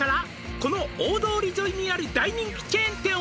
「この大通り沿いにある大人気チェーン店を」